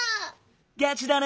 ガチだね。